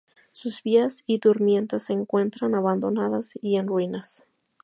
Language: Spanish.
Sus vías y durmientes se encuentran abandonadas y en ruinas.